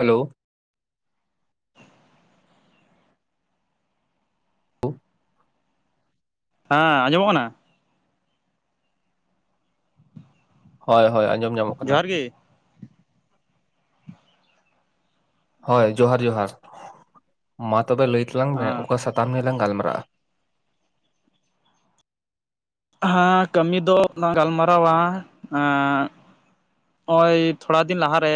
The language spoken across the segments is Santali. ᱦᱮᱞᱳ ᱳ ᱦᱮᱸ ᱟᱸᱡᱚᱢᱚᱜ ᱠᱟᱱᱟ ᱦᱳᱭᱦᱳᱭᱸᱚᱡᱚ ᱢ ᱡᱚᱦᱟᱨ ᱜᱮ ᱦᱳᱭ ᱡᱚᱦᱟᱨ ᱡᱚᱦᱟᱨ ᱢᱟ ᱛᱚᱵᱮ ᱞᱟᱹᱭ ᱛᱟᱞᱟᱝ ᱢᱮ ᱦᱮᱸ ᱚᱠᱟ ᱥᱟᱛᱟᱢ ᱱᱤᱭᱟᱹ ᱞᱟᱝ ᱜᱟᱞᱢᱟᱨᱟᱜᱼᱟ ᱦᱮᱸ ᱠᱟᱹᱢᱤ ᱫᱚ ᱚᱱᱟ ᱜᱟᱞᱢᱟᱨᱟᱣᱟ ᱱᱚᱜᱼᱚᱭ ᱛᱷᱚᱲᱟ ᱫᱤᱱ ᱞᱟᱦᱟ ᱨᱮ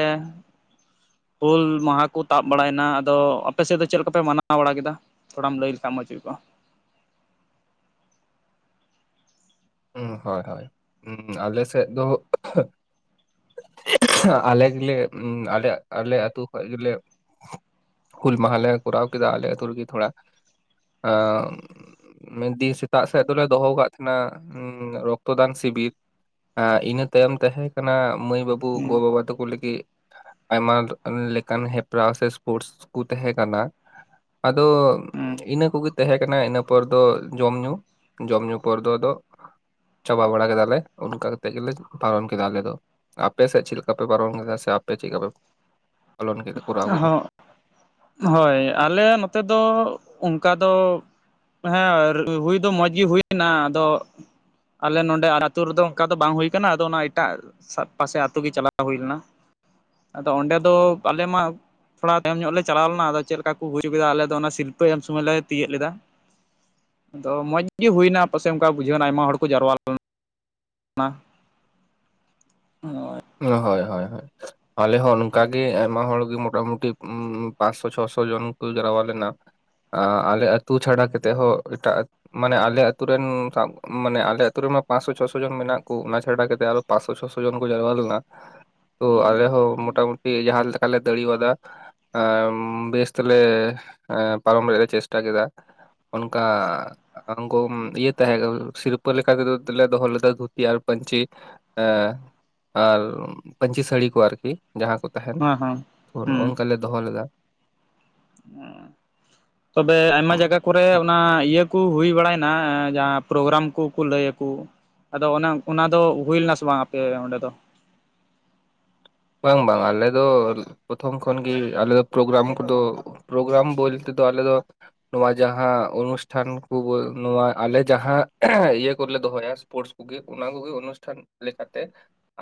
ᱦᱩᱞ ᱢᱟᱦᱟ ᱠᱚ ᱛᱟᱵ ᱵᱟᱲᱟᱭᱱᱟ ᱟᱫᱚ ᱟᱯᱮ ᱥᱮᱫ ᱫᱚ ᱪᱮᱫ ᱞᱮᱠᱟᱯᱮ ᱢᱟᱱᱟᱣ ᱵᱟᱲᱟ ᱠᱮᱫᱟ ᱛᱷᱚᱲᱟᱢ ᱞᱟᱹᱭ ᱞᱮᱠᱷᱟᱱ ᱢᱚᱡᱽ ᱦᱩᱭ ᱠᱚᱼᱟ ᱦᱳᱭ ᱦᱳᱭ ᱟᱞᱮ ᱥᱮᱫ ᱫᱚ ᱟᱞᱮ ᱜᱮᱞᱮ ᱟᱞᱮ ᱟᱞᱮ ᱟᱹᱛᱩ ᱠᱷᱚᱱ ᱜᱮᱞᱮ ᱦᱩᱞ ᱢᱟᱦᱟᱞᱮ ᱠᱚᱨᱟᱣ ᱠᱮᱫᱟ ᱟᱞᱮ ᱟᱹᱛᱩᱨᱮ ᱜᱮ ᱛᱷᱚᱲᱟ ᱾ ᱮ ᱢᱮᱱ ᱫᱤᱧ ᱥᱮᱛᱟᱜ ᱥᱮᱫ ᱫᱚᱞᱮ ᱫᱚᱦᱚ ᱟᱠᱟᱫ ᱛᱟᱦᱮᱱᱟ ᱨᱚᱠᱛᱚᱫᱟᱱ ᱥᱤᱵᱤᱨ ᱤᱱᱟᱹ ᱛᱟᱭᱚᱢ ᱛᱟᱦᱮᱸ ᱠᱟᱱᱟ ᱢᱟᱹᱭ ᱵᱟᱹᱵᱩ ᱩᱱᱠᱩ ᱦᱩᱸ ᱜᱳᱵᱟᱵᱟ ᱠᱚ ᱞᱟᱹᱜᱤᱫ ᱟᱭᱢᱟ ᱞᱮᱠᱟᱱ ᱦᱮᱯᱨᱟᱣ ᱥᱮ ᱥᱯᱳᱨᱴᱥ ᱠᱚ ᱛᱟᱦᱮᱸ ᱠᱟᱱᱟ ᱟᱫᱚ ᱦᱩᱸ ᱤᱱᱟᱹ ᱠᱚᱜᱮ ᱛᱟᱦᱮᱸ ᱠᱟᱱᱟ ᱚᱱᱟ ᱤᱱᱟᱹ ᱯᱚᱨ ᱫᱚ ᱡᱚᱢ ᱧᱩ ᱡᱚᱢ ᱧᱩ ᱯᱚᱨ ᱫᱚ ᱟᱫᱚ ᱪᱟᱵᱟ ᱵᱟᱲᱟ ᱠᱮᱫᱟ ᱞᱮ ᱚᱱᱠᱟ ᱠᱟᱛᱮ ᱜᱮᱞᱮ ᱯᱟᱨᱚᱢ ᱠᱮᱫᱟ ᱟᱞᱮ ᱫᱚ ᱾ ᱟᱯᱮ ᱥᱮᱫ ᱪᱮᱫ ᱞᱮᱠᱟ ᱯᱮ ᱯᱟᱨᱚᱢ ᱠᱮᱫᱟ ᱥᱮ ᱟᱯᱮ ᱪᱮᱫ ᱞᱮᱠᱟ ᱯᱮ ᱯᱟᱞᱚᱱ ᱠᱮᱫᱟ ᱠᱚᱨᱟᱣ ᱠᱮᱫᱟ ᱦᱚᱸ ᱦᱳᱭ ᱟᱞᱮ ᱱᱚᱛᱮ ᱫᱚ ᱚᱱᱠᱟ ᱫᱚ ᱦᱮᱸ ᱦᱩᱭ ᱫᱚ ᱢᱚᱸᱡᱽ ᱜᱮᱤ ᱦᱩᱭ ᱮᱱᱟ ᱟᱫᱚ ᱟᱞᱮ ᱱᱚᱰᱮ ᱟᱹᱛᱩ ᱨᱮᱫᱚ ᱚᱱᱠᱟ ᱫᱚ ᱵᱟᱝ ᱦᱩᱭ ᱠᱟᱱᱟ ᱟᱫᱚ ᱚᱱᱟ ᱮᱴᱟᱜ ᱯᱟᱥᱮ ᱟᱹᱛᱩ ᱜᱮ ᱪᱟᱞᱟᱣ ᱦᱩᱭ ᱞᱮᱱᱟ ᱟᱫᱚ ᱚᱸᱰᱮ ᱫᱚ ᱟᱞᱮ ᱢᱟ ᱛᱷᱚᱲᱟ ᱛᱟᱭᱚᱢ ᱧᱚᱜ ᱞᱮ ᱪᱟᱞᱟᱣ ᱞᱮᱱᱟ ᱟᱫᱚ ᱪᱮᱫ ᱞᱮᱠᱟ ᱠᱚ ᱦᱩᱭ ᱦᱚᱪᱚ ᱠᱮᱫᱟ ᱟᱞᱮ ᱚᱱᱟ ᱥᱤᱨᱯᱟᱹ ᱮᱢ ᱥᱚᱢᱚᱭ ᱞᱮ ᱛᱤᱭᱳᱜ ᱞᱮᱫᱟ ᱾ ᱟᱫᱚ ᱢᱚᱸᱡᱽ ᱜᱮ ᱦᱩᱭᱱᱟ ᱯᱟᱥᱮᱡ ᱚᱱᱠᱟ ᱵᱩᱡᱷᱟᱹᱣ ᱮᱱᱟ ᱟᱭᱢᱟ ᱦᱚᱲ ᱠᱚ ᱡᱟᱨᱣᱟ ᱞᱮᱱᱟ ᱦᱳᱭ ᱦᱳᱭ ᱦᱳᱭ ᱦᱳᱭ ᱾ ᱟᱞᱮ ᱦᱚᱸ ᱱᱚᱝᱠᱟ ᱜᱮ ᱢᱟ ᱦᱚᱲᱜᱮ ᱠᱤ ᱢᱚᱴᱟᱢᱩᱴᱤ ᱯᱟᱸᱪᱥᱚ ᱪᱷᱚᱥᱚ ᱦᱚᱱ ᱠᱚ ᱡᱨᱟᱣᱟ ᱞᱮᱱᱟ ᱾ ᱟᱞᱮ ᱟᱹᱛᱩ ᱪᱷᱟᱲᱟ ᱠᱟᱛᱮ ᱦᱚᱸ ᱮᱴᱟᱜ ᱢᱟᱱᱮ ᱟᱞᱮ ᱟᱛᱩᱨᱮᱱ ᱥᱟᱵ, ᱢᱟᱱᱮ ᱟᱞᱮ ᱟᱛᱩ ᱨᱮᱢᱟ ᱯᱟᱸᱥᱥᱚ ᱪᱷᱚᱥᱚ ᱡᱚᱱ ᱢᱮᱱᱟᱜ ᱠᱚ ᱚᱱᱟ ᱪᱷᱟᱰᱟ ᱠᱟᱛᱮ ᱟᱨᱚ ᱯᱟᱸᱥᱥᱚ ᱪᱷᱚᱥᱚ ᱡᱚᱱ ᱠᱚ ᱡᱟᱨᱣᱟ ᱞᱮᱱᱟ ᱛᱚ ᱟᱞᱮ ᱦᱚᱸ ᱢᱚᱴᱟᱢᱩᱴᱤ ᱡᱟᱦᱟᱸ ᱞᱮᱠᱟ ᱞᱮ ᱫᱟᱲᱤᱣᱟᱫᱟ ᱾ ᱟᱨ ᱵᱮᱥ ᱛᱮᱞᱮ ᱯᱟᱨᱚᱢ ᱨᱮᱭᱟᱜ ᱞᱮ ᱪᱮᱥᱴᱟ ᱠᱮᱫᱟ ᱾ ᱚᱱᱠᱟ ᱩᱱᱠᱩ ᱤᱭᱟᱹ ᱛᱟᱦᱮᱸ ᱥᱤᱨᱯ ᱯᱟᱹ ᱞᱮᱠᱟ ᱞᱮᱠᱟᱛᱮ ᱫᱚᱞᱮ ᱫᱚᱦᱚ ᱞᱮᱫᱟ ᱫᱷᱩᱛᱤ ᱟᱨ ᱯᱟᱹᱧᱪᱤ ᱮ ᱟᱨ ᱯᱟᱹᱧᱪᱤ ᱥᱟᱹᱲᱤ ᱠᱚ ᱟᱨᱠᱤ ᱡᱟᱦᱟᱸ ᱠᱚ ᱛᱟᱦᱮᱱ ᱦᱮᱸ ᱦᱮᱸ ᱛᱚ ᱱᱚᱜ ᱦᱩᱸ ᱱᱚᱝᱠᱟ ᱞᱮ ᱫᱚᱦᱚ ᱞᱮᱫᱟ ᱾ ᱛᱚᱵᱮ ᱟᱭᱢᱟ ᱡᱟᱭᱜᱟ ᱠᱚᱨᱮ ᱚᱱᱟ ᱤᱭᱟᱹ ᱠᱩ ᱦᱩᱭ ᱵᱟᱲᱟᱭᱱᱟ ᱡᱟᱦᱟᱸ ᱯᱨᱳᱜᱨᱟᱢ ᱠᱩᱠᱩ ᱞᱟᱹᱭᱟᱠᱩ ᱟᱫᱚ ᱚᱱᱟ ᱚᱱᱟ ᱫᱚ ᱦᱩᱭ ᱞᱮᱱᱟ ᱥᱮ ᱵᱟᱝ ᱟᱯᱮ ᱚᱸᱰᱮ ᱫᱚ? ᱵᱟᱝ ᱵᱟᱝ ᱟᱞᱮ ᱫᱚ ᱯᱨᱚᱛᱷᱚᱢ ᱠᱷᱚᱱ ᱜᱮ ᱟᱞᱮ ᱫᱚ ᱯᱨᱳᱜᱨᱟᱢ ᱠᱚᱫᱚ ᱯᱨᱳᱜᱨᱟᱢ ᱵᱚᱞᱛᱮ ᱫᱚ ᱟᱞᱮ ᱫᱚ ᱱᱚᱣᱟ ᱡᱟᱦᱟᱸ ᱚᱱᱩᱥᱴᱷᱟᱱ ᱠᱚ ᱱᱚᱣᱟ ᱟᱞᱮ ᱡᱟᱦᱟᱸ ᱤᱭᱟᱹ ᱠᱚᱨᱮ ᱞᱮ ᱫᱚᱦᱚᱭᱟ ᱥᱯᱳᱨᱴᱥ ᱠᱩᱜᱮ ᱚᱱᱟ ᱠᱩᱜᱮ ᱚᱱᱩᱥᱴᱷᱟᱱ ᱞᱮᱠᱟᱛᱮ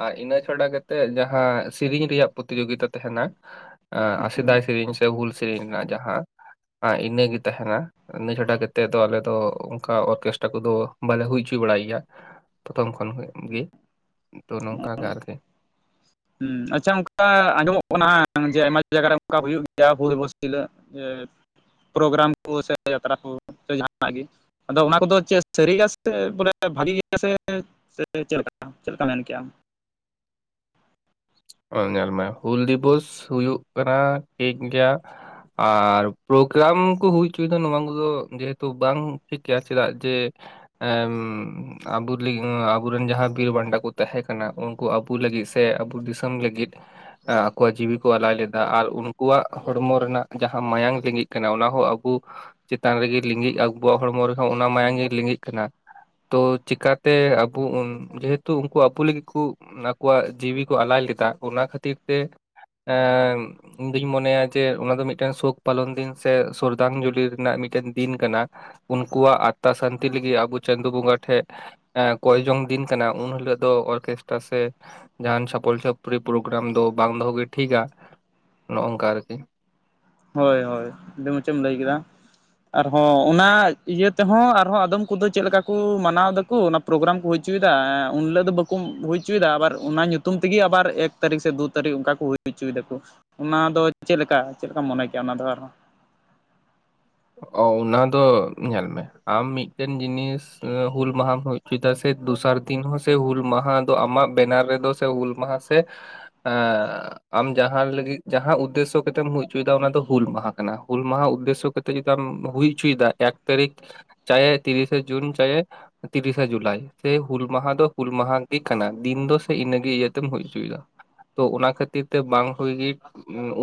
ᱟᱨ ᱤᱱᱟᱹ ᱪᱷᱟᱲᱟ ᱠᱟᱛᱮᱫ ᱡᱟᱦᱟᱸ ᱥᱤᱨᱤᱧ ᱨᱮᱭᱟᱜ ᱯᱨᱚᱛᱤᱡᱳᱜᱤᱛᱟ ᱛᱟᱦᱮᱱᱟ ᱥᱮᱫᱟᱭ ᱥᱮᱨᱮᱧ ᱥᱮ ᱦᱩᱞ ᱥᱮ ᱥᱮᱨᱮᱧ ᱨᱮᱱᱟᱜ ᱡᱟᱦᱟᱸ ᱤᱱᱟᱹᱜᱮ ᱛᱟᱦᱮᱱᱟ ᱤᱱᱟᱹ ᱪᱷᱟᱰᱟ ᱠᱟᱛᱮ ᱫᱚ ᱟᱞᱮ ᱫᱚ ᱚᱱᱠᱟ ᱚᱨᱠᱮᱥᱴᱟᱨ ᱠᱚᱫᱚ ᱵᱟᱞᱮ ᱦᱩᱭ ᱦᱚᱪᱚᱭ ᱵᱟᱲᱟᱭ ᱜᱮᱭᱟ ᱯᱨᱚᱛᱷᱚᱢ ᱠᱷᱚᱱ ᱜᱮ ᱛᱚ ᱱᱚᱝᱠᱚ ᱜᱮ ᱟᱨᱠᱤ᱾ ᱦᱩᱸ ᱟᱪᱪᱷᱟ ᱚᱱᱠᱟ ᱟᱸᱡᱚᱢᱚᱜ ᱠᱟᱱᱟ ᱡᱮ ᱟᱭᱢᱟ ᱡᱟᱭᱜᱟ ᱨᱮ ᱚᱱᱠᱟ ᱦᱩᱭᱩᱜ ᱜᱮᱭᱟ ᱦᱩᱞᱫᱤᱵᱚᱥ ᱦᱤᱞᱳᱜ ᱾ ᱡᱮ ᱯᱨᱳᱜᱨᱟᱢ ᱠᱚ ᱥᱮ ᱡᱟᱛᱨᱟ ᱠᱚ ᱥᱮ ᱡᱟᱦᱟᱱᱟᱜ ᱜᱮ ᱾ ᱟᱫᱚ ᱚᱱᱟ ᱠᱚᱫᱚ ᱪᱮᱫ ᱥᱟᱹᱨᱤ ᱜᱮᱭᱟ ᱥᱮ ᱵᱚᱞᱮ ᱵᱷᱟᱜᱤ ᱜᱮᱭᱟ ᱥᱮ ᱥᱮ ᱪᱮᱞᱠᱟ, ᱪᱮᱞᱠᱟ ᱢᱮᱱ ᱠᱮᱜᱼᱟᱢ? ᱧᱮᱞ ᱢᱮ ᱦᱩᱞ ᱫᱤᱵᱚᱥ ᱦᱩᱭᱩᱜ ᱠᱟᱱᱟ ᱴᱷᱤᱠ ᱜᱮᱭᱟ ᱟᱨ ᱯᱨᱳᱜᱨᱟᱢ ᱠᱚ ᱦᱩᱭ ᱦᱚᱪᱚᱭᱮᱫᱟ ᱱᱚᱣᱟ ᱠᱚᱫᱚ ᱡᱮᱦᱮᱛᱩ ᱵᱟᱝ ᱴᱷᱤᱠ ᱜᱮᱭᱟ ᱪᱮᱫᱟᱜ ᱡᱮ ᱟᱵᱚᱨᱮᱱ ᱡᱟᱦᱟᱸᱭ ᱵᱤᱨ ᱵᱟᱱᱴᱟ ᱠᱚ ᱛᱟᱦᱮᱸ ᱠᱟᱱᱟ ᱩᱱ ᱠᱩ ᱟᱵᱚ ᱞᱟᱹᱜᱤᱫ ᱥᱮ ᱟᱵᱚ ᱫᱤᱥᱚᱢ ᱞᱟᱹᱜᱤᱫ ᱟᱠᱚᱣᱟᱜ ᱡᱤᱣᱤ ᱠᱚ ᱟᱞᱟᱭ ᱞᱮᱫᱟ ᱟᱨ ᱩᱱᱠᱩᱣᱟᱜ ᱦᱚᱲᱢᱚ ᱨᱮᱱᱟᱜ ᱡᱟᱦᱟᱸ ᱢᱟᱭᱟᱝ ᱞᱤᱸᱜᱤᱜ ᱠᱟᱱᱟ ᱚᱱᱟ ᱦᱚᱸ ᱟᱵᱚ ᱪᱮᱛᱟᱱ ᱨᱮᱜᱮ ᱞᱤᱸᱜᱤᱜᱼᱟ, ᱟᱵᱚᱣᱟᱜ ᱦᱚᱲᱢᱚ ᱨᱮᱦᱚᱸ ᱚᱱᱟ ᱢᱟᱭᱟᱝ ᱜᱮ ᱞᱤᱸᱜᱤ ᱠᱟᱱᱟ ᱾ ᱛᱚ ᱪᱮᱠᱟᱛᱮ ᱟᱵᱚ ᱡᱮᱦᱮᱛᱩ ᱩᱱᱠᱩ ᱟᱵᱚ ᱞᱟᱹᱜᱤᱫ ᱠᱚ ᱟᱠᱚᱣᱟᱜ ᱡᱤᱣᱤ ᱠᱚ ᱟᱞᱟᱭ ᱞᱮᱫᱟ ᱚᱱᱟ ᱠᱷᱟᱹᱛᱤᱨ ᱛᱮ ᱤᱧ ᱫᱩᱧ ᱢᱚᱱᱮᱭᱟ ᱡᱮ ᱚᱱᱟ ᱫᱚ ᱢᱤᱫᱴᱮᱱ ᱥᱳᱠ ᱯᱟᱞᱚᱱ ᱫᱤᱱ ᱥᱮ ᱥᱚᱨᱫᱟᱝᱡᱚᱞᱤ ᱨᱮᱱᱟᱜ ᱢᱤᱫᱴᱮᱱ ᱫᱤᱱ ᱠᱟᱱᱟ ᱾ ᱩᱝᱠᱩᱣᱟᱜ ᱟᱛᱛᱟ ᱥᱟᱱᱛᱤ ᱞᱟᱹᱜᱤᱫ ᱟᱹᱵᱩ ᱪᱟᱸᱫᱚ ᱵᱚᱸᱜᱟ ᱴᱷᱮᱡ ᱠᱚᱭ ᱡᱚᱝ ᱫᱤᱱ ᱠᱟᱱᱟ ᱩᱱ ᱦᱤᱞᱟᱹᱜ ᱫᱚ ᱚᱨᱠᱮᱥᱴᱟ ᱥᱮ ᱡᱟᱦᱟᱱ ᱪᱷᱟᱯᱚᱞ ᱪᱷᱚᱯ ᱨᱤ ᱯᱨᱳᱜᱨᱟᱢ ᱫᱚ ᱵᱟᱝ ᱫᱚᱦᱚ ᱜᱮ ᱴᱷᱤᱠᱟ ᱱᱚᱜᱼᱚᱜ ᱚᱝᱠᱟ ᱟᱨᱠᱤ᱾ ᱦᱳᱭ ᱦᱳᱭ ᱟᱹᱰᱤ ᱢᱚᱪᱮᱢ ᱞᱟᱹᱭ ᱠᱮᱫᱟ᱾ ᱟᱨᱦᱚᱸ ᱚᱱᱟ ᱤᱭᱟᱹ ᱛᱮᱦᱚᱸ ᱟᱨᱦᱚᱸ ᱟᱫᱚᱢ ᱠᱩᱫᱚ ᱪᱮᱜ ᱞᱮᱠᱟ ᱠᱩ ᱢᱟᱱᱟᱣ ᱫᱟᱠᱩ ᱚᱱᱟ ᱯᱨᱳᱜᱨᱟᱢ ᱠᱩ ᱦᱩᱭ ᱩᱪᱩᱭᱮᱫᱟ, ᱩᱱᱦᱤᱞᱟᱹᱜ ᱫᱚ ᱵᱟᱹᱠᱩ ᱦᱩᱭ ᱩᱪᱩᱭᱫᱟ ᱟᱵᱟᱨ ᱚᱱᱟ ᱧᱩᱛᱩᱢ ᱛᱮᱜᱮ ᱟᱵᱟᱨ ᱮᱠ ᱮᱠ ᱛᱟᱹᱨᱤᱠ ᱥᱮ ᱫᱩ ᱛᱟᱹᱨᱤᱠ ᱚᱝᱠᱟ ᱠᱩ ᱦᱩᱭ ᱦᱩᱪᱩᱭ ᱫᱟᱠᱩ ᱚᱱᱟ ᱫᱚ ᱪᱮᱫ ᱞᱮᱠᱟ ᱪᱮᱫ ᱞᱮᱠᱟ ᱢᱚᱱᱮ ᱠᱮᱭᱟ ᱚᱱᱟ ᱫᱚ ᱟᱨ ᱦᱚᱸ? ᱚ ᱚᱱᱟ ᱫᱚ ᱧᱮᱞ ᱢᱮ ᱟᱢ ᱢᱤᱫᱴᱮᱱ ᱡᱤᱱᱤᱥ ᱦᱩᱞ ᱢᱟᱦᱟᱢ ᱦᱩᱭ ᱩᱪᱩᱭ ᱫᱟ ᱥᱮ ᱫᱚᱥᱟᱨ ᱫᱤᱱ ᱦᱚᱸ ᱥᱮ ᱦᱩᱞ ᱢᱟᱦᱟ ᱛᱚ ᱟᱢᱟᱜ ᱵᱮᱱᱟᱨ ᱨᱮᱫᱚ ᱥᱮ ᱦᱩᱞ ᱢᱟᱦᱟ ᱥᱮ ᱟᱢ ᱡᱟᱦᱟᱸ ᱞᱟᱹᱜᱤᱫ ᱡᱟᱦᱟᱸ ᱩᱫᱽᱫᱮᱥᱥᱚ ᱠᱟᱛᱮᱢ ᱦᱩᱭ ᱦᱚᱪᱚᱭᱮᱫᱟ ᱚᱱᱟ ᱫᱚ ᱦᱩᱞ ᱢᱟᱦᱟ ᱠᱟᱱᱟ ᱦᱩᱞ ᱢᱟᱦᱟ ᱩᱫᱽᱫᱮᱥᱥᱚ ᱠᱟᱛᱮ ᱱᱤᱛᱚᱜ ᱪᱮᱫ ᱞᱮᱠᱟᱢ ᱦᱩᱭ ᱪᱚᱭ ᱫᱟ ᱮᱠ ᱛᱟᱨᱤᱠᱷ ᱪᱟᱭᱮ ᱛᱤᱨᱤᱥᱮ ᱡᱩᱱ ᱪᱟᱭᱮ ᱛᱤᱨᱤᱥᱮ ᱡᱩᱞᱟᱭ ᱥᱮ ᱦᱩᱞ ᱢᱟᱦᱟ ᱫᱚ ᱦᱩᱞ ᱢᱟᱦᱟ ᱜᱮ ᱠᱟᱱᱟ ᱫᱤᱱ ᱫᱚ ᱥᱮ ᱤᱱᱟᱹᱜᱮ ᱤᱭᱟᱹᱛᱮᱢ ᱦᱩᱭ ᱦᱚᱪᱚᱭᱮᱫᱟ ᱾ ᱛᱚ ᱚᱱᱟ ᱠᱷᱟᱹᱛᱤᱨ ᱛᱮ ᱵᱟᱝ ᱦᱩᱭ ᱜᱤ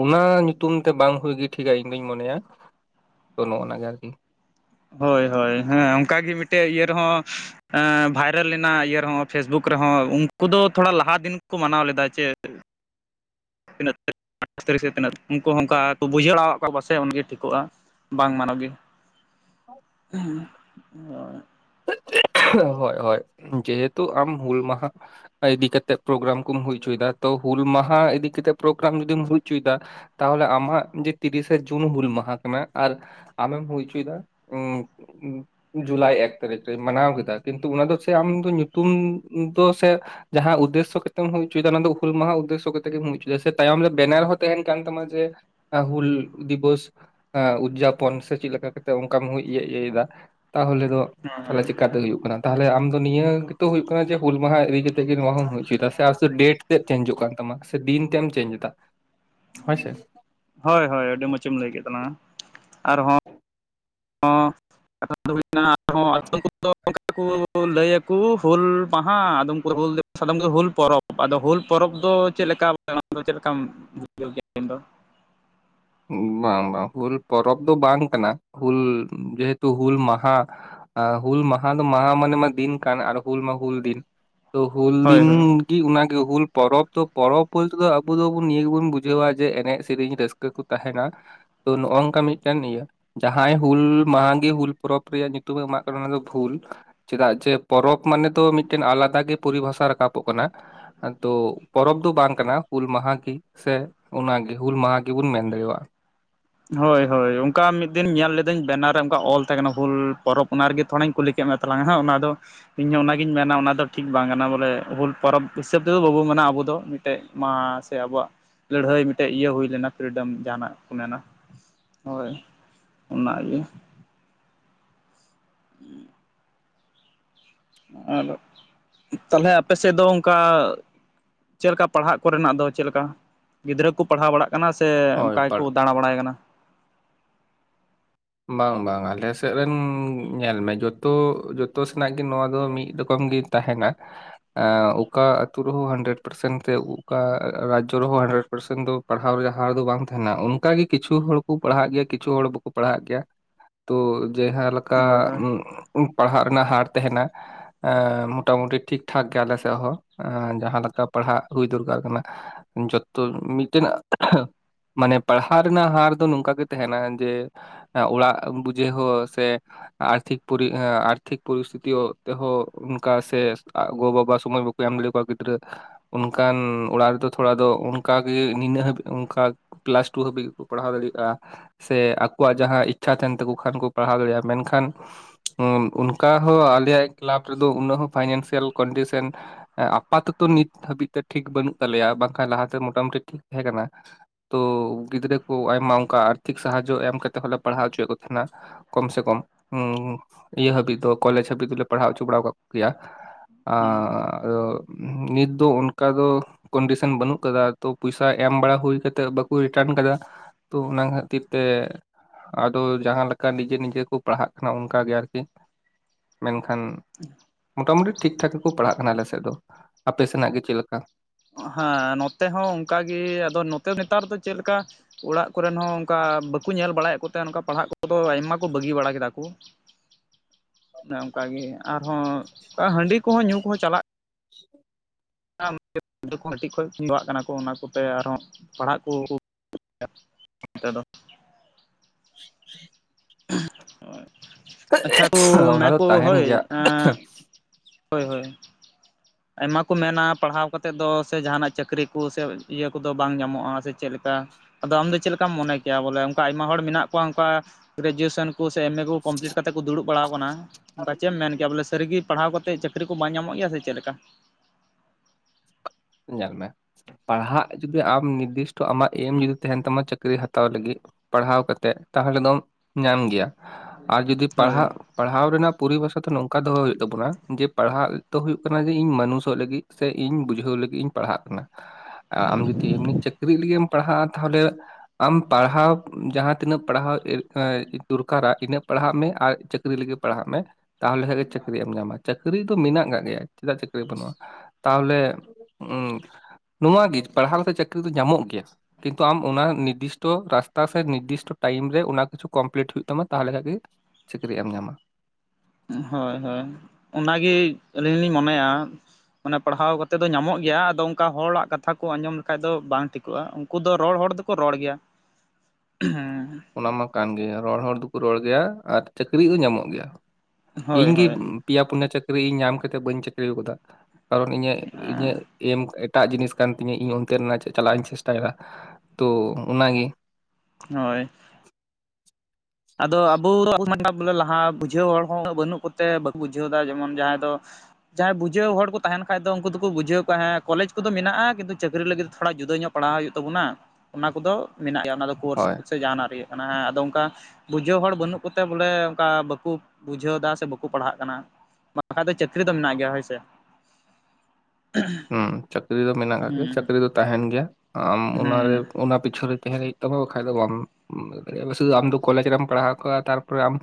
ᱚᱱᱟ ᱧᱩᱛᱩᱢ ᱛᱮ ᱵᱟᱝ ᱦᱩᱭᱜᱤ ᱴᱷᱤᱠᱟ ᱤᱧ ᱫᱚᱧ ᱢᱚᱱᱮᱭᱟ ᱛᱚ ᱱᱚᱜ ᱚᱱᱟ ᱜᱮ ᱟᱨᱠᱤ ᱦᱳᱭ ᱦᱳᱭ ᱦᱮᱸ ᱚᱝᱠᱟᱜᱮ ᱢᱤᱫᱴᱮᱡ ᱤᱭᱟᱹ ᱨᱮᱦᱚᱸ ᱮᱸ ᱵᱷᱟᱭᱨᱟᱞ ᱞᱮᱱᱟ ᱤᱭᱟᱹ ᱨᱮᱦᱚᱸ ᱯᱷᱮᱥᱵᱩᱠ ᱨᱮᱦᱚᱸ ᱩᱝᱠᱩ ᱫᱚ ᱛᱷᱚᱲᱟ ᱞᱟᱦᱟ ᱫᱤᱱ ᱠᱩ ᱢᱟᱱᱟᱣ ᱞᱮᱫᱟ ᱪᱮᱫ [inaudible] ᱛᱤᱱᱟᱹᱜ ᱛᱟᱹᱨᱤᱠ [unintelligible] ᱛᱟᱹᱨᱤᱠ ᱥᱮ ᱛᱤᱱᱟᱹᱜ ᱩᱝᱠᱩ ᱦᱚᱸ ᱚᱝᱠᱟ ᱠᱩ ᱵᱩᱡᱷᱟᱹᱣ ᱵᱟᱲᱟᱣᱟᱫ ᱠᱚᱣᱟ ᱯᱟᱥᱮᱜ ᱚᱱᱟᱜᱮ ᱴᱷᱤᱠᱚᱜᱼᱟ᱾ ᱵᱟᱝ ᱢᱟᱱᱟᱣ ᱜᱮ᱾ [inaudible] [unintelligible] [unintelligible] ᱦᱳᱭ ᱦᱳᱭ ᱡᱮᱦᱮᱛᱩ ᱟᱢ ᱦᱩᱞ ᱢᱟᱦᱟ ᱤᱫᱤᱠᱟᱛᱮᱜ ᱯᱨᱳᱜᱨᱟᱢ ᱠᱩᱢ ᱦᱩᱭ ᱩᱪᱩᱭᱫᱟ ᱛᱚ ᱦᱩᱞ ᱢᱟᱦᱟ ᱤᱫᱤᱠᱟᱛᱮᱜ ᱯᱨᱳᱜᱨᱟᱢ ᱡᱚᱫᱤᱢ ᱦᱩᱭ ᱩᱪᱩᱭᱫᱟ ᱛᱟᱦᱚᱞᱮ ᱟᱢᱟᱜ ᱡᱮ ᱛᱤᱨᱤᱥᱮ ᱡᱩᱱ ᱦᱩᱞ ᱢᱟᱦᱟ ᱠᱟᱱᱟ ᱟᱨ ᱟᱢᱮᱢ ᱦᱩᱭ ᱩᱪᱩᱭᱫᱟ ᱩᱸ ᱩᱸ ᱡᱩᱞᱟᱭ ᱮᱠ ᱛᱟᱹᱨᱤᱠᱷ ᱨᱮ ᱢᱟᱱᱟᱣ ᱠᱮᱫᱟ ᱠᱤᱱᱛᱩ ᱚᱱᱟ ᱫᱚ ᱥᱮ ᱟᱢ ᱫᱚ ᱧᱩᱛᱩᱢ ᱫᱚ ᱥᱮ ᱡᱟᱦᱟᱸ ᱩᱫᱮᱥᱥᱚ ᱠᱟᱛᱮᱢ ᱦᱩᱭ ᱩᱪᱩᱭᱫᱟ ᱚᱱᱟ ᱫᱚ ᱦᱩᱞ ᱢᱟᱦᱟ ᱩᱫᱮᱥᱥᱚ ᱠᱟᱛᱮᱜ ᱜᱮᱢ ᱦᱩᱭ ᱩᱪᱩᱭᱫᱟ ᱥᱮ ᱛᱟᱭᱚᱢ ᱵᱮᱱᱟᱨ ᱦᱚᱸ ᱛᱟᱦᱮᱱ ᱠᱟᱱ ᱛᱟᱢᱟ ᱡᱮ ᱟᱸ ᱦᱩᱞ ᱫᱤᱵᱚᱥ ᱟᱸ ᱩᱫᱽᱡᱟᱯᱚᱱ ᱥᱮ ᱪᱮᱫ ᱞᱮᱠᱟ ᱠᱟᱛᱮᱜ ᱚᱱᱠᱟᱢ ᱦᱩᱭ ᱤᱭᱟᱹ ᱤᱭᱟᱹᱭ ᱮᱫᱟ ᱛᱟᱦᱚᱞᱮ ᱫᱚ ᱛᱟᱦᱚᱞᱮ ᱪᱮᱠᱟᱛᱮ ᱦᱩᱭᱩᱜ ᱠᱟᱱᱟ ᱛᱟᱦᱚᱞᱮ ᱟᱢᱫᱚ ᱱᱤᱭᱟᱹ ᱛᱳ ᱦᱩᱭᱩᱜ ᱠᱟᱱᱟ ᱡᱮ ᱦᱩᱞ ᱢᱟᱦᱟ ᱤᱫᱤ ᱠᱟᱛᱮᱜ ᱜᱮ ᱱᱚᱣᱟ ᱦᱚᱢ ᱦᱩᱭ ᱩᱪᱩᱭ ᱫᱟ ᱥᱮ ᱟᱨ ᱥᱮ ᱰᱮᱴ ᱪᱮᱫ ᱪᱮᱧᱡᱚᱜ ᱠᱟᱱ ᱛᱟᱢᱟ ᱥᱮ ᱫᱤᱱ ᱛᱮᱢ ᱪᱮᱧᱡᱽ ᱮᱫᱟ ᱦᱳᱭᱥᱮ ᱦᱳᱭ ᱦᱳᱭ ᱟᱹᱰᱤ ᱢᱚᱪᱮᱢ ᱞᱟᱹᱭ ᱠᱮᱫ ᱛᱟᱞᱟᱝᱟ ᱟᱨᱦᱚᱸ ᱦᱚᱸ ᱠᱟᱛᱷᱟ ᱫᱚ ᱦᱩᱭᱱᱟ ᱟᱨᱦᱚᱸ ᱟᱫᱚᱢ ᱠᱩᱫᱚ ᱠᱩ ᱞᱟᱹᱭᱟᱠᱩ ᱦᱩᱞ ᱢᱟᱦᱟ ᱟᱫᱚᱢ ᱠᱩᱫᱚ ᱠᱩ ᱦᱩᱞ [inaudible] ᱟᱫᱚᱢ ᱠᱩᱫᱚ ᱠᱩ ᱦᱩᱞ ᱯᱚᱨᱚᱵᱽ ᱟᱫᱚ ᱦᱩᱞ ᱯᱚᱨᱚᱵᱽ ᱫᱚ ᱪᱮᱫ ᱞᱮᱠᱟ ᱪᱮᱫ ᱞᱮᱠᱟᱢ ᱵᱩᱡᱷᱟᱹᱣ [unintelligible] ᱫᱚ ᱵᱟᱝ ᱵᱟᱝ ᱦᱩᱞ ᱯᱚᱨᱚᱵᱽ ᱫᱚ ᱵᱟᱝ ᱠᱟᱱᱟ ᱦᱩᱞ ᱡᱮᱦᱮᱛᱩ ᱦᱩᱞ ᱢᱟᱦᱟ ᱟ ᱦᱩᱞ ᱢᱟᱦᱟ ᱫᱚ ᱢᱟᱦᱟ ᱢᱟᱱᱮ ᱢᱟ ᱫᱤᱱ ᱠᱟᱱ ᱟᱨ ᱦᱩᱞ ᱢᱟ ᱦᱩᱞ ᱫᱤᱱ ᱛᱚ ᱦᱩᱞ ᱦᱳᱭ ᱫᱤᱱ ᱦᱳᱭ ᱤ ᱚᱱᱟᱜᱮ ᱦᱩᱞ ᱯᱚᱨᱚᱵᱽ ᱫᱚ ᱯᱚᱨᱚᱵᱽ ᱵᱚᱞᱛᱮ ᱫᱚ ᱟᱹᱵᱩ ᱫᱚᱵᱩᱱ ᱱᱤᱭᱟᱹ ᱜᱮᱵᱩᱱ ᱵᱩᱡᱷᱟᱹᱣᱟ ᱡᱮ ᱮᱱᱮᱡ ᱥᱤᱨᱤᱧ ᱨᱟᱹᱥᱠᱟᱹ ᱠᱩ ᱛᱟᱦᱮᱱᱟ ᱛᱚ ᱱᱚᱜ ᱚᱝᱠᱟ ᱢᱤᱫᱴᱮᱱ ᱤᱭᱟᱹ ᱡᱟᱦᱟᱸᱭ ᱦᱩᱞ ᱢᱟᱦᱟ ᱜᱮ ᱦᱩᱞ ᱯᱚᱨᱚᱵᱽ ᱨᱮᱭᱟᱜ ᱧᱩᱛᱩᱢᱮ ᱮᱢᱟᱜ ᱠᱟᱱᱟ ᱚᱱᱟ ᱫᱚ ᱵᱷᱩᱞ ᱪᱮᱫᱟᱜ ᱡᱮ ᱯᱚᱨᱚᱵᱽ ᱢᱟᱱᱮ ᱫᱚ ᱢᱤᱫᱴᱮᱱ ᱟᱞᱟᱫᱟ ᱜᱮ ᱯᱚᱨᱤᱵᱷᱟᱥᱟ ᱨᱟᱠᱟᱵᱚᱜ ᱠᱟᱱᱟ ᱟᱫᱚ ᱯᱚᱨᱚᱵᱽ ᱫᱚ ᱵᱟᱝ ᱠᱟᱱᱟ, ᱦᱩᱞ ᱢᱟᱦᱟ ᱜᱤ ᱥᱮ ᱚᱱᱟᱜᱮ ᱦᱩᱞ ᱢᱟᱦᱟ ᱜᱤᱵᱩᱱ ᱢᱮᱱ ᱦᱮᱣᱟᱜ ᱦᱳᱭ ᱦᱳᱭ ᱚᱝᱠᱟ ᱢᱤᱫ ᱫᱤᱱ ᱧᱮᱞ ᱞᱤᱫᱟᱹᱧ ᱵᱮᱱᱟᱨ ᱨᱮ ᱚᱝᱠᱟ ᱚᱞ ᱛᱟᱦᱮᱸ ᱠᱟᱱᱟ ᱦᱩᱞ ᱯᱚᱨᱚᱵᱽ ᱚᱱᱟᱜᱮ ᱛᱷᱚᱲᱟᱧ ᱠᱩᱞᱤ ᱪᱮᱜ ᱮᱢ ᱢᱮᱱᱮᱜ ᱛᱟᱞᱟᱝᱟ ᱦᱟᱸᱜ ᱚᱱᱟ ᱫᱚ ᱤᱧ ᱦᱚᱸ ᱚᱱᱟᱜᱤᱧ ᱢᱮᱱᱟ ᱚᱱᱟ ᱫᱚ ᱴᱷᱤᱠ ᱵᱟᱝ ᱠᱟᱱᱟ ᱵᱚᱞᱮ ᱦᱩᱞ ᱯᱚᱨᱚᱵᱽ ᱦᱤᱥᱟᱹᱵᱽ ᱛᱮᱫᱚ ᱵᱟᱹᱵᱩ ᱢᱮᱱᱟ ᱟᱹᱵᱩ ᱫᱚ ᱢᱤᱫᱴᱮᱡ ᱢᱟ ᱥᱮ ᱟᱵᱚᱣᱟᱜ ᱞᱟᱹᱲᱦᱟᱹᱭ ᱢᱤᱫᱴᱮᱡ ᱤᱭᱟᱹ ᱦᱩᱭ ᱞᱮᱱᱟ ᱯᱷᱨᱤᱰᱚᱢ ᱡᱟᱦᱟᱱᱟᱜ ᱠᱚ ᱢᱮᱱᱟ ᱦᱳᱭ ᱚᱱᱟ ᱜᱮ [unintelligible] ᱟᱨ ᱛᱟᱦᱚᱞᱮ ᱟᱯᱮ ᱥᱮᱫ ᱫᱚ ᱚᱱᱠᱟ ᱪᱮᱫ ᱞᱮᱠᱟ ᱯᱟᱲᱦᱟᱜ ᱠᱚᱨᱮᱱᱟᱜ ᱫᱚ ᱪᱮᱫ ᱞᱮᱠᱟ ᱜᱤᱫᱽᱨᱟᱹ ᱠᱚ ᱯᱟᱲᱦᱟᱣ ᱵᱟᱲᱟᱜ ᱠᱟᱱᱟ ᱥᱮ ᱦᱳᱭ ᱚᱱᱠᱟ ᱯᱟᱲ ᱜᱮᱠᱚ ᱫᱟᱬᱟ ᱵᱟᱲᱟᱭ ᱠᱟᱱᱟ? ᱵᱟᱝ ᱵᱟᱝ ᱟᱞᱮ ᱥᱮᱫ ᱨᱮᱱ ᱧᱮᱞ ᱢᱮ ᱡᱚᱛᱚ ᱡᱚᱛᱚ ᱥᱮᱱᱟᱜ ᱜᱮ ᱱᱚᱣᱟ ᱫᱚ ᱢᱤᱫ ᱨᱚᱠᱚᱢ ᱜᱮ ᱛᱟᱦᱮᱱᱟ ᱚᱠᱟ ᱟᱹᱛᱩᱳ ᱨᱮᱦᱚᱸ ᱦᱟᱱᱰᱨᱮᱰ ᱯᱟᱨᱥᱮᱱ ᱛᱮ ᱚᱠᱟ ᱨᱟᱡᱽᱡᱚ ᱨᱮᱦᱚᱸ ᱦᱟᱱᱰᱨᱮᱹᱰ ᱯᱟᱨᱥᱮᱱᱴ ᱫᱚ ᱯᱟᱲᱦᱟᱣ ᱨᱮ ᱡᱟᱦᱟᱸᱦᱟᱨ ᱫᱚ ᱵᱟᱝ ᱛᱟᱦᱮᱱᱟ ᱚᱱᱠᱟᱜᱮ ᱠᱤᱪᱷᱩ ᱦᱚᱲ ᱠᱚ ᱯᱟᱲᱦᱟᱜ ᱜᱮᱭᱟ ᱠᱤᱪᱷᱩ ᱦᱚᱲ ᱵᱟᱠᱚ ᱯᱟᱲᱦᱟᱜ ᱜᱮᱭᱟ ᱛᱚ ᱡᱟᱦᱟᱸ ᱞᱮᱠᱟ ᱦᱳᱭ ᱦᱳᱭ ᱯᱟᱲᱦᱟᱜ ᱨᱮᱱᱟᱜ ᱦᱟᱨ ᱛᱟᱦᱮᱱᱟ ᱮᱸ ᱢᱚᱴᱟᱢᱩᱴᱤ ᱴᱷᱤᱠ ᱴᱷᱟᱠ ᱜᱮ ᱟᱞᱮ ᱥᱮᱫ ᱦᱚᱸ ᱮᱸ ᱡᱟᱦᱟᱸ ᱞᱮᱠᱟ ᱯᱟᱲᱦᱟᱜ ᱦᱩᱭ ᱫᱚᱨᱠᱟᱨ ᱠᱟᱱᱟ ᱡᱚᱛᱚ ᱢᱤᱫᱴᱮᱱ [unintelligible] ᱢᱟᱱᱮ ᱯᱟᱲᱦᱟᱣ ᱨᱮᱱᱟᱜ ᱦᱟᱨ ᱫᱚ ᱱᱚᱝᱠᱟ ᱜᱮ ᱛᱟᱦᱮᱱᱟ ᱡᱮ ᱚᱲᱟᱜ ᱵᱩᱡᱟᱹ ᱦᱚᱸ ᱥᱮ ᱟᱨᱛᱷᱤᱠ ᱯᱚᱨ ᱟᱨᱛᱷᱤᱠ ᱯᱚᱨᱤᱥᱛᱷᱤᱛᱤ ᱛᱮᱦᱚᱸ ᱚᱱᱠᱟ ᱥᱮ ᱜᱚ ᱵᱟᱵᱟ ᱥᱚᱢᱚᱭ ᱵᱟ ᱮᱢ ᱫᱮ ᱠᱚᱣᱟ ᱜᱤᱫᱽᱨᱟᱹ ᱚᱱᱠᱟᱱ ᱚᱲᱟᱜ ᱨᱮᱫᱚ ᱛᱷᱚᱲᱟ ᱫᱚ ᱚᱱᱠᱟᱜᱮ ᱱᱤᱱᱟᱹᱜ ᱦᱟᱹᱵᱤᱡ ᱚᱱᱠᱟ ᱠᱞᱟᱥ ᱴᱩ ᱦᱟᱹᱵᱤᱡ ᱜᱮᱠᱚ ᱯᱟᱲᱦᱟᱣ ᱫᱟᱲᱮᱭᱟᱜᱼᱟ ᱥᱮ ᱟᱠᱩᱣᱟᱜ ᱡᱟᱦᱟᱸ ᱤᱪᱪᱷᱟ ᱛᱟᱦᱮᱱ ᱛᱟᱠᱚ ᱠᱷᱟᱱ ᱠᱚ ᱯᱟᱲᱦᱟᱣ ᱫᱟᱲᱮᱭᱟᱜᱼᱟ ᱢᱮᱱᱠᱷᱟᱱ ᱮ ᱚᱱᱠᱟ ᱦᱚᱸ ᱟᱞᱮᱭᱟᱜ ᱠᱞᱟᱵᱽ ᱨᱮᱫᱚ ᱩᱱᱟᱹᱜ ᱯᱷᱟᱭᱱᱮᱱᱥᱤᱭᱟᱞ ᱠᱚᱱᱰᱤᱥᱮᱱ ᱟᱯᱟᱛᱚᱛᱚ ᱱᱤᱛ ᱦᱟᱹᱵᱤᱡ ᱛᱮ ᱴᱷᱤᱠ ᱵᱟᱹᱱᱩᱜ ᱛᱟᱞᱮᱭᱟ ᱵᱟᱝᱠᱷᱟᱱ ᱞᱟᱦᱟᱛᱮ ᱢᱳᱴᱟᱢᱩᱴᱤ ᱴᱷᱤᱠ ᱛᱟᱦᱮᱸ ᱠᱟᱱᱟ ᱛᱚ ᱜᱤᱫᱽᱨᱟᱹ ᱠᱚ ᱟᱭᱢᱟ ᱚᱝᱠᱟ ᱟᱨᱛᱷᱤᱠ ᱥᱟᱦᱟᱡᱚ ᱮᱢ ᱠᱟᱛᱮᱫ ᱦᱚᱸᱞᱮ ᱯᱟᱲᱦᱟᱣ ᱦᱚᱪᱚᱭᱮᱫ ᱠᱚ ᱛᱟᱸᱦᱮᱱᱟ ᱠᱚᱢ ᱥᱮ ᱠᱚᱢ ᱩᱸ ᱤᱭᱟᱹ ᱦᱟᱹᱵᱤᱡ ᱫᱚ ᱠᱚᱞᱮᱡᱽ ᱦᱟᱹᱵᱤᱡ ᱫᱚᱞᱮ ᱯᱟᱲᱦᱟᱣ ᱦᱚᱪᱚ ᱵᱟᱲᱟ ᱟᱠᱟᱜ ᱠᱚ ᱜᱮᱭᱟ ᱦᱮᱸ ᱟᱸᱻ ᱱᱤᱛ ᱫᱚ ᱚᱱᱠᱟ ᱫᱚ ᱠᱚᱱᱰᱤᱥᱚᱱ ᱵᱟᱹᱱᱩᱜ ᱟᱠᱟᱫᱟ ᱛᱚ ᱯᱚᱭᱥᱟ ᱮᱢ ᱵᱟᱲᱟ ᱦᱩᱭᱛᱮᱫ ᱵᱟᱠᱚ ᱨᱤᱴᱟᱨᱟᱱ ᱟᱠᱟᱫᱟ ᱛᱚ ᱚᱱᱟ ᱠᱷᱟᱹᱛᱤᱨ ᱛᱮ ᱟᱫᱚ ᱡᱟᱦᱟᱸ ᱞᱮᱠᱟ ᱱᱤᱡᱮ ᱱᱤᱡᱮ ᱠᱚ ᱯᱟᱲᱦᱟᱜ ᱠᱟᱱᱟ ᱚᱱᱠᱟᱜᱮ ᱟᱨᱠᱤ, ᱢᱮᱱᱠᱷᱟᱱ ᱢᱚᱴᱟᱢᱩᱴᱤ ᱴᱷᱤᱠ ᱴᱷᱟᱠ ᱜᱮᱠᱚ ᱯᱟᱲᱦᱟᱜ ᱠᱟᱱᱟ ᱟᱞᱮ ᱥᱮᱫ ᱫᱚ, ᱟᱯᱮ ᱥᱮᱱᱟᱜ ᱜᱮ ᱪᱮᱫ ᱞᱮᱠᱟ ᱦᱮᱸ ᱱᱚᱛᱮ ᱦᱚᱸ ᱚᱱᱠᱟᱜᱮ ᱟᱫᱚ ᱱᱚᱛᱮ ᱱᱮᱛᱟᱨ ᱫᱚ ᱪᱮᱫ ᱞᱮᱠᱟ ᱚᱲᱟᱜ ᱠᱚᱨᱮᱱ ᱦᱚᱸ ᱚᱱᱠᱟ ᱵᱟᱠᱚ ᱧᱮᱞ ᱵᱟᱲᱟᱭᱮᱫ ᱠᱚᱛᱮ ᱚᱱᱠᱟ ᱯᱟᱲᱦᱟᱜ ᱠᱚᱫᱚ ᱟᱭᱢᱟ ᱠᱚ ᱵᱟᱹᱜᱤ ᱵᱟᱲᱟ ᱠᱮᱫᱟ ᱠᱚ ᱚᱱᱮ ᱚᱱᱠᱟᱜ ᱜᱮ ᱟᱨᱦᱚᱸ ᱚᱱᱠᱟ ᱦᱟᱺᱰᱤ ᱠᱚᱦᱚᱸ ᱧᱩ ᱠᱚᱦᱚᱸ ᱪᱟᱞᱟᱜ [unintelligible] ᱜᱤᱫᱽᱨᱟᱹ ᱠᱟᱹᱴᱤᱡ ᱠᱷᱚᱡ [unintelligible] ᱠᱟᱱᱟ ᱠᱚ ᱚᱱᱟ ᱠᱚᱛᱮ ᱟᱨᱦᱚᱸ ᱯᱟᱲᱦᱟᱜ ᱠᱚ [unintelligible] ᱚᱱᱛᱮ ᱫᱚ [inaudible] ᱟᱪᱪᱷᱟ ᱜᱳᱻ ᱚᱱᱟ ᱫᱚ ᱢᱮᱠᱚ ᱛᱟᱦᱮᱱ ᱦᱳᱭ ᱜᱮᱭᱟ ᱮᱸᱻ ᱦᱳᱭ ᱦᱳᱭ ᱦᱳᱭ ᱟᱭᱢᱟ ᱠᱚ ᱢᱮᱱᱟ ᱯᱟᱲᱦᱟᱣ ᱠᱟᱛᱮᱫ ᱫᱚ ᱥᱮ ᱡᱟᱦᱟᱱᱟᱜ ᱪᱟᱹᱠᱨᱤ ᱠᱚ ᱥᱮ ᱤᱭᱟᱹ ᱠᱚᱫᱚ ᱵᱟᱝ ᱧᱟᱢᱚᱜᱼᱟ ᱥᱮ ᱪᱮᱫ ᱞᱮᱠᱟ ᱟᱫᱚ ᱟᱢ ᱫᱚ ᱪᱮᱫ ᱞᱮᱠᱟᱢ ᱢᱚᱱᱮ ᱠᱮᱭᱟ ᱵᱚᱞᱮ ᱚᱱᱠᱟ ᱟᱭᱢᱟ ᱦᱚᱲ ᱢᱮᱱᱟᱜ ᱠᱚᱣᱟ ᱚᱱᱠᱟ ᱜᱨᱮᱡᱩᱭᱮᱥᱚᱱ ᱠᱚ ᱥᱮ ᱮᱢᱮ ᱠᱚᱢᱯᱞᱤᱴ ᱠᱟᱛᱮ ᱠᱚ ᱫᱩᱲᱩᱵ ᱵᱟᱲᱟᱟᱣ ᱟᱠᱟᱱᱟ ᱠᱟᱱᱟ᱾ ᱚᱝᱠᱟ ᱪᱮᱫ ᱮᱢ ᱢᱮᱱ ᱠᱮᱭᱟ ᱵᱚᱞᱮ ᱥᱟᱹᱨᱤᱜᱮ ᱯᱟᱲᱦᱟᱣ ᱠᱟᱛᱮᱫ ᱪᱟᱹᱠᱨᱤ ᱠᱚ ᱵᱟᱝ ᱧᱟᱢᱚᱜ ᱜᱮᱭᱟ ᱥᱮ ᱪᱮᱫ ᱞᱮᱠᱟ ᱧᱮᱞ ᱢᱮ, ᱯᱟᱲᱦᱟᱜ ᱡᱩᱫᱤ ᱟᱢ ᱱᱤᱨᱫᱤᱥᱴᱚ ᱟᱢᱟᱜ ᱮᱢ ᱡᱩᱫᱤ ᱛᱟᱦᱮᱱ ᱛᱟᱢᱟ ᱪᱟᱹᱠᱨᱤ ᱨᱮ ᱦᱟᱛᱟᱣ ᱞᱟᱹᱜᱤᱫ ᱯᱟᱲᱦᱟᱣ ᱠᱟᱛᱮᱫ ᱛᱟᱦᱞᱮ ᱫᱚᱢ ᱧᱟᱢ ᱜᱮᱭᱟ ᱟᱨ ᱡᱩᱚᱫᱤ ᱦᱳᱭ ᱯᱟᱲᱦᱟᱜ ᱯᱟᱲᱦᱟᱣ ᱨᱮᱱᱟᱜ ᱯᱚᱨᱤᱵᱷᱟᱥᱟ ᱫᱚ ᱱᱚᱝᱠᱟ ᱫᱚᱦᱚ ᱦᱩᱭᱩᱜ ᱛᱟᱵᱚᱱᱟ ᱡᱮ ᱯᱟᱲᱦᱟᱜ ᱫᱚ ᱦᱩᱭᱩᱜ ᱠᱟᱱᱟ ᱡᱮ ᱤᱧ ᱢᱟᱱᱩᱥᱚᱜ ᱞᱟᱹᱜᱤᱫ ᱥᱮ ᱤᱧ ᱵᱩᱡᱷᱟᱹᱣ ᱞᱟᱹᱜᱤᱫ ᱤᱧ ᱯᱟᱲᱦᱟᱜ ᱠᱟᱱᱟ, ᱟ ᱟᱢ ᱡᱩᱫᱤ ᱮᱢᱱᱤ ᱪᱟᱹᱠᱨᱤᱜ ᱞᱟᱹᱜᱤᱫ ᱮᱢ ᱯᱟᱲᱦᱟᱜᱼᱟ ᱛᱟᱦᱞᱮ ᱟᱢ ᱯᱟᱲᱦᱟᱣ ᱡᱟᱦᱟᱸ ᱛᱤᱱᱟᱹᱜ ᱯᱟᱲᱦᱟᱣ ᱫᱚᱨᱠᱟᱨᱟ ᱤᱱᱟᱹᱜ ᱯᱟᱲᱦᱟᱜ ᱢᱮ ᱟᱨ ᱪᱟᱠ ᱪᱟᱹᱠᱨᱤ ᱞᱟᱹᱜᱤᱫ ᱯᱟᱲᱦᱟᱜ ᱢᱮ ᱛᱟᱦᱞᱮ ᱠᱷᱟᱡ‌ ᱜᱮ ᱪᱟᱹᱠᱨᱤ ᱮᱢ ᱧᱟᱢᱟ ᱪᱟᱹᱠᱨᱤ ᱫᱚ ᱢᱮᱱᱟᱜ ᱠᱟᱜ ᱜᱮᱭᱟ ᱪᱮᱫᱟᱜ ᱪᱟᱹᱠᱨᱤ ᱵᱟᱹᱱᱩᱜᱼᱟ ᱛᱟᱦᱞᱮ ᱱᱚᱣᱟᱣᱟᱜᱮ ᱯᱟᱲᱦᱟᱣ ᱠᱟᱛᱮ ᱪᱟᱹᱠᱨᱤ ᱫᱚ ᱧᱟᱢᱚᱜ ᱜᱮᱭᱟ ᱠᱤᱱᱛᱩ ᱟᱢ ᱚᱱᱟ ᱱᱤᱨᱫᱤᱥᱴᱚ ᱨᱟᱥᱛᱟ ᱥᱮ ᱱᱤᱨᱫᱤᱥᱴᱚ ᱴᱟᱭᱤᱢ ᱨᱮ ᱚᱱᱟ ᱠᱤᱪᱷᱩ ᱠᱚᱢᱯᱤᱞᱴ ᱦᱩᱭᱩᱜ ᱛᱟᱢᱟ ᱛᱟᱦᱞᱮ ᱠᱷᱟᱱ ᱜᱮ ᱪᱟᱹᱠᱨᱤ ᱮᱢ ᱧᱟᱢᱟ ᱦᱳᱭ ᱦᱳᱭ, ᱚᱱᱟᱜᱮ ᱟᱹᱞᱤᱧ ᱦᱚᱞᱤᱧ ᱢᱚᱱᱮᱭᱟ ᱚᱱᱮ ᱯᱟᱲᱦᱟᱣ ᱠᱟᱛᱮᱜ ᱫᱚ ᱧᱟᱢᱚᱜ ᱜᱮᱭᱟ ᱟᱫᱚ ᱚᱝᱠᱟ ᱦᱚᱲᱟᱜ ᱠᱟᱛᱷᱟ ᱠᱚ ᱟᱸᱡᱚᱢ ᱞᱮᱠᱷᱟᱡ ᱫᱚ ᱵᱟᱝ ᱴᱷᱤᱠᱚᱜᱼᱟ, ᱩᱝᱠᱩ ᱫᱚ ᱨᱚᱲ ᱦᱚᱲ ᱫᱚᱠᱚ ᱨᱚᱲ ᱜᱮᱭᱟ, [inaudible] ᱦᱮᱸ ᱚᱱᱟ ᱢᱟ ᱠᱟᱱ ᱜᱮ, ᱨᱚᱲ ᱦᱚᱲ ᱫᱚᱠᱚ ᱨᱚᱲ ᱜᱮᱭᱟ ᱟᱨ ᱪᱟᱹᱠᱨᱤ ᱧᱟᱢᱚᱜ ᱜᱮᱭᱟ, ᱦᱳᱭ ᱤᱧ ᱜᱮ ᱦᱳᱭ ᱦᱳᱭ ᱯᱮᱭᱟ ᱯᱩᱱᱮᱭᱟ ᱪᱟᱹᱠᱨᱤ ᱤᱧ ᱧᱟᱢ ᱠᱟᱛᱮᱫ ᱵᱟᱹᱧ ᱪᱟᱹᱠᱨᱤ ᱚᱠᱟᱫᱟ ᱠᱟᱨᱚᱱ ᱤᱧᱟᱹᱜ ᱤᱧᱟᱹᱜ ᱮᱢ ᱮᱴᱟᱜ ᱡᱤᱱᱤᱥ ᱠᱟᱱ ᱛᱤᱧᱟᱹ ᱤᱧ ᱚᱱᱛᱮ ᱨᱮᱱᱟᱜ ᱪᱟᱞᱟᱜ ᱤᱧ ᱪᱮᱥᱴᱟᱭᱮᱫᱟ ᱛᱚ ᱚᱱᱟᱜᱮ, ᱦᱳᱭ, ᱟᱫᱚ ᱟᱵᱚ [unintelligible] ᱵᱚᱞᱮ ᱞᱟᱦᱟ ᱵᱩᱡᱷᱟᱹᱣ ᱦᱚᱲ ᱦᱚᱸ ᱵᱟᱹᱱᱩᱜ ᱠᱚᱛᱮ ᱵᱟᱠᱚ ᱵᱩᱡᱷᱟᱹᱣ ᱫᱟ ᱡᱮᱢᱚᱱ ᱡᱟᱦᱟᱸᱭ ᱫᱚ ᱡᱟᱦᱟᱸᱭ ᱵᱩᱡᱷᱟᱹᱣ ᱦᱚᱲ ᱠᱚ ᱛᱟᱦᱮᱱ ᱠᱷᱟᱡ ᱫᱚ ᱩᱝᱠᱩ ᱫᱚ ᱠᱚ ᱵᱩᱡᱷᱟᱹᱣ ᱠᱚᱣᱟ ᱡᱮ ᱠᱚᱞᱮᱡᱽ ᱠᱚᱫᱚ ᱢᱮᱱᱟᱜᱼᱟ, ᱠᱤᱱᱛᱩ ᱪᱟᱹᱠᱨᱤ ᱞᱟᱹᱜᱤᱫ ᱛᱷᱚᱲᱟ ᱡᱩᱫᱟᱹ ᱧᱚᱜ ᱯᱟᱲᱦᱟᱣ ᱦᱩᱭᱩᱜ ᱛᱟᱵᱚᱱᱟ ᱚᱱᱟ ᱠᱚᱫᱚ ᱢᱮᱱᱟᱜ ᱜᱮᱭᱟ ᱚᱱᱟ ᱫᱚ ᱠᱳᱨᱥ ᱦᱳᱭ ᱥᱮ ᱡᱟᱦᱟᱱᱟᱜ ᱠᱟᱱᱟ ᱦᱮᱸ ᱟᱫᱚ ᱚᱝᱠᱟ ᱵᱩᱡᱷᱟᱹᱣ ᱦᱚᱲ ᱵᱟᱹᱱᱩᱜ ᱠᱚᱛᱮ ᱵᱚᱞᱮ ᱚᱝᱠᱟ ᱵᱟᱠᱚ ᱵᱩᱡᱷᱟᱹᱣ ᱫᱟ ᱥᱮ ᱵᱟᱠᱚ ᱯᱟᱲᱦᱟᱜ ᱠᱟᱱᱟ ᱵᱟᱝ ᱠᱷᱟᱡᱽ ᱫᱚ ᱪᱟᱹᱠᱨᱤ ᱫᱚ ᱢᱮᱱᱟᱜ ᱜᱮᱭᱟ ᱦᱳᱭ ᱥᱮ, [inaudible] ᱦᱩᱸ ᱪᱟᱹᱠᱨᱤ ᱫᱚ ᱢᱮᱱᱟᱜ ᱠᱟᱜ ᱜᱮᱭᱟ ᱦᱩᱸ ᱪᱟᱹᱠᱨᱤ ᱫᱚ ᱛᱟᱦᱮᱱ ᱜᱮᱭᱟ ᱟᱢ ᱚᱱᱟᱨᱮ ᱦᱩᱸ ᱚᱱᱟ ᱯᱤᱪᱷᱚᱱ ᱨᱮ ᱛᱟᱸᱦᱮᱱ ᱦᱩᱭᱩᱜ ᱛᱟᱢᱟ ᱵᱟᱠᱷᱟᱡ ᱫᱚ ᱵᱟᱢ ᱤᱭᱟᱹ ᱫᱟᱲᱮᱭᱟᱜ-ᱟ, ᱵᱮᱥᱤ ᱫᱚ ᱟᱢ ᱠᱚᱞᱮᱡ ᱨᱮᱢ ᱯᱟᱲᱦᱟᱣ ᱠᱚ ᱛᱟᱨᱯᱚᱨᱮ ᱟᱢ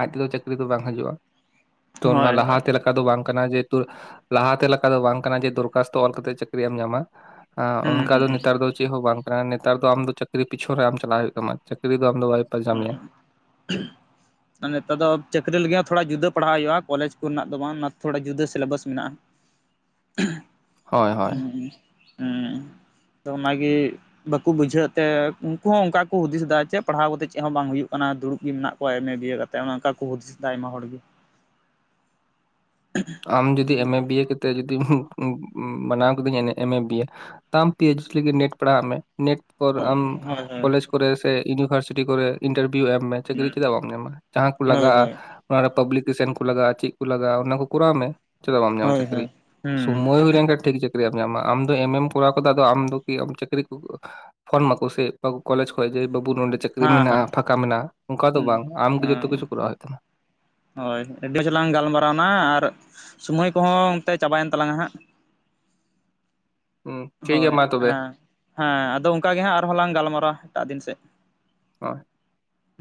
ᱟᱡ ᱛᱮᱫᱚ ᱪᱟᱹᱠᱨᱤ ᱫᱚ ᱵᱟᱝ ᱦᱟᱡᱩᱜᱼᱟ, ᱛᱚ ᱚᱱᱟ ᱦᱳᱭ ᱦᱳᱭ ᱞᱟᱦᱟᱛᱮ ᱞᱮᱠᱟ ᱫᱚ ᱵᱟᱝ ᱠᱟᱱᱟ ᱡᱮ ᱛᱳᱨ ᱞᱟᱦᱟᱛᱮ ᱞᱮᱠᱟ ᱫᱚ ᱵᱟᱝ ᱠᱟᱱᱟ ᱡᱮ ᱫᱚᱨ ᱠᱟᱥᱛᱚ ᱚᱞ ᱠᱟᱛᱮᱫ ᱪᱟᱹᱠᱨᱤ ᱮᱢ ᱧᱟᱢᱟ, ᱮᱸᱻ ᱦᱩᱸ ᱚᱱᱠᱟ ᱫᱚ ᱦᱩᱸ ᱱᱮᱛᱟᱨ ᱫᱚ ᱪᱮᱫ ᱦᱚᱸ ᱵᱟᱝ ᱠᱟᱱᱟ ᱱᱮᱛᱟᱨ ᱫᱚ ᱟᱢ ᱫᱚ ᱪᱟᱹᱠᱨᱤ ᱯᱤᱪᱷᱚᱱ ᱨᱮ ᱟᱢ ᱪᱟᱞᱟᱜ ᱦᱩᱭᱩᱜ ᱛᱟᱢᱟ ᱪᱟᱹᱠᱨᱤ ᱫᱚ ᱟᱢ ᱫᱚ ᱵᱟᱭ ᱯᱟᱧᱡᱟ ᱢᱮᱭᱟ, [unintelligible] ᱱᱮᱛᱟᱨ ᱫᱚ ᱪᱟᱹᱠᱨᱤ ᱞᱟᱹᱜᱤᱫ ᱦᱚᱸ ᱛᱷᱚᱲᱟ ᱡᱩᱫᱟᱹ ᱯᱟᱲᱦᱟᱣ ᱦᱩᱭᱩᱜᱼᱟ ᱠᱚᱞᱮᱡᱽ ᱠᱚᱨᱮ ᱫᱚ ᱵᱟᱝ ᱛᱷᱚᱲᱟ ᱡᱩᱫᱟᱹ ᱥᱤᱞᱮᱵᱟᱥ ᱢᱮᱱᱟᱜᱼᱟ ᱾ [inaudible] ᱦᱳᱭ ᱦᱮᱸ ᱦᱮᱸ, [inaudible] ᱛᱚ ᱚᱱᱟᱜᱮ ᱵᱟᱠᱚ ᱵᱩᱡᱷᱟᱹᱣ ᱮᱜ ᱛᱮ ᱩᱱᱠᱩ ᱦᱚᱸ ᱚᱱᱠᱟ ᱠᱚ ᱦᱩᱫᱤᱥ ᱫᱟ ᱪᱮᱫ ᱯᱟᱲᱦᱟᱣ ᱠᱟᱛᱮᱫ ᱪᱮᱫ ᱦᱚᱸ ᱵᱟᱝ ᱦᱩᱭᱩᱜ ᱠᱟᱱᱟ ᱫᱩᱲᱩᱵ ᱜᱮ ᱢᱮᱱᱟᱜ ᱠᱚᱣᱟ ᱮᱢᱮ ᱵᱤᱭᱮ ᱠᱟᱛᱮᱫ ᱚᱱᱚ ᱚᱱᱠᱟ ᱠᱚ ᱦᱩᱫᱤᱥ ᱮᱟ ᱟᱭᱢᱟ ᱦᱚᱲ ᱜᱮ, [inaudible] ᱟᱢ ᱡᱩᱫᱤ ᱮᱢᱮ ᱵᱤᱭᱮ ‌ᱠᱟᱛᱮᱫ ᱡᱩᱫᱤᱢ ᱢᱟᱱᱟᱣ ᱠᱤᱫᱟᱹᱧ ᱮᱢᱮ ᱵᱤᱭᱮ, ᱛᱟᱢ ᱯᱤ ᱮᱪ ᱞᱤᱜᱤᱫ ᱱᱮᱴ ᱯᱟᱲᱟᱜ ᱢᱮ ᱱᱮᱴ ᱯᱚᱨ ᱟᱢ ᱦᱳᱭ ᱦᱳᱭ ᱠᱚᱞᱮᱡᱽ ᱠᱚᱨᱮ ᱥᱮ ᱤᱭᱩᱱᱤᱵᱷᱟᱨᱥᱤᱴᱤ ᱠᱚᱨᱮ, ᱤᱱᱴᱟᱨᱵᱷᱤᱭᱩ ᱮᱢ ᱢᱮ ᱪᱟᱹᱠᱨᱤ ᱦᱩᱸ ᱪᱮᱫᱟᱜ ᱵᱟᱢ ᱧᱟᱢᱟ ᱡᱟᱦᱟᱸ ᱠᱚ ᱦᱳᱭ ᱞᱟᱜᱟᱜᱼᱟ, ᱦᱳᱭ ᱚᱱᱟ ᱨᱮ ᱯᱟᱵᱽᱞᱤᱠᱮᱥᱚᱱ ᱠᱚ ᱞᱟᱜᱟᱜᱼᱟ ᱪᱮᱫ ᱠᱚ ᱞᱟᱜᱟᱜᱼᱟ ᱚᱱᱟ ᱠᱚ ᱠᱚᱨᱟᱣ ᱢᱮ ᱾ ᱪᱮᱫᱟᱜ ᱵᱟᱢ ᱧᱟᱢᱟ ᱦᱳᱭ ᱪᱟᱹᱠᱨᱤ ᱦᱳᱭ ᱦᱩᱸ ᱥᱚᱢᱚᱭ ᱦᱩᱭ ᱞᱮᱱᱠᱷᱟᱱ ᱴᱷᱤᱠ ᱪᱟᱹᱠ ᱪᱟᱹᱠᱨᱤᱭᱮᱢ ᱧᱟᱢᱟ ᱟᱢ ᱫᱚ ᱮᱢ ᱮᱢ ᱠᱚᱨᱟᱣ ᱠᱟᱫᱟ ᱟᱫᱚ ᱟᱢ ᱫᱚ ᱠᱤ ᱪᱟᱹᱠᱨᱤ ᱠᱚ ᱯᱷᱚᱱ ᱢᱟᱠᱚ ᱥᱮ ᱵᱟᱵᱩ ᱠᱚᱞᱮᱡᱽ ᱠᱷᱚᱡ ᱡᱮ ᱵᱟᱵᱩ ᱱᱚᱸᱰᱮ ᱪᱟᱹᱠᱨᱤ ᱦᱮᱸ ᱢᱮᱱᱟᱜᱼᱟ ᱦᱮᱸ ᱯᱷᱟᱸᱠᱟ ᱢᱮᱱᱟᱜᱼᱟ ᱚᱱᱠᱟ ᱫᱚ ᱦᱩᱸ ᱵᱟᱝ ᱟᱢ ᱜᱮ ᱡᱚᱛᱚ ᱦᱮᱸ ᱠᱤᱪᱷᱩ ᱠᱚᱨᱟᱣ ᱦᱩᱭᱩᱜ ᱛᱟᱢᱟ ᱾ ᱦᱳᱭ ᱟᱹᱰᱤ ᱡᱳᱨ ᱞᱟᱝ ᱜᱟᱞᱢᱟᱨᱟᱣᱱᱟ ᱟᱨ ᱥᱚᱢᱚᱭ ᱠᱚᱦᱚᱸ ᱚᱱᱛᱮ ᱪᱟᱵᱟᱭᱮᱱ ᱛᱟᱞᱟᱝ ᱟ ᱦᱟᱸᱜ ᱾ ᱦᱩᱸ ᱴᱷᱤᱠ ᱜᱮᱭᱟ ᱦᱳᱭ ᱢᱟ ᱛᱚᱵᱮ ᱾ ᱦᱮᱸ ᱦᱮᱸ ᱟᱫᱚ ᱚᱱᱠᱟ ᱜᱮ ᱦᱟᱸᱜ ᱟᱨᱦᱚᱸ ᱞᱟᱝ ᱜᱟᱞᱢᱟᱨᱟᱣᱟ ᱮᱴᱟᱜ ᱫᱤᱱ ᱥᱮᱫ ᱾ [unintelligible]